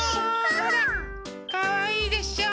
ほらかわいいでしょ？